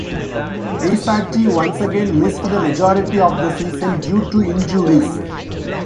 Aisatti, once again, missed the majority of the season, due to injuries.